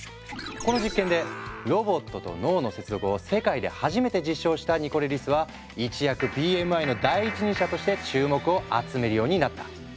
この実験でロボットと脳の接続を世界で初めて実証したニコレリスは一躍ＢＭＩの第一人者として注目を集めるようになった。